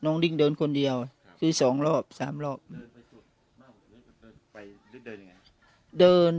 น้องดิ้งเดินคนเดียวครับคือสองรอบสามรอบเดินไปจุดมากกว่าเดินไปหรือเดินยังไง